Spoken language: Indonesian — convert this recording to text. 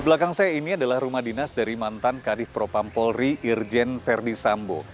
di belakang saya ini adalah rumah dinas dari mantan kadif propampolri irjen verdi sambo